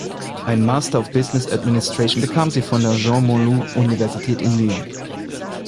Einen Master of Business Administration bekam sie von der Jean Moulin Universität in Lyon.